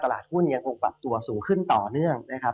ตลาดหุ้นยังคงปรับตัวสูงขึ้นต่อเนื่องนะครับ